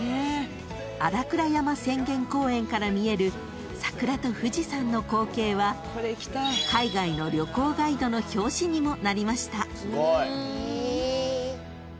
［新倉山浅間公園から見える桜と富士山の光景は海外の旅行ガイドの表紙にもなりました］